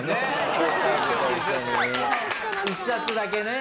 １冊だけね。